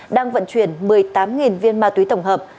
đang vận chuyển một mươi tám viên ma túy tổng hợp